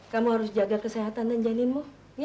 kamu harus jaga kesehatan dan janinmu